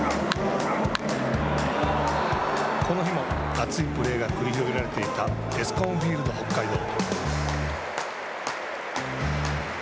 この日も熱いプレーが繰り広げられていたエスコンフィールドＨＯＫＫＡＩＤＯ。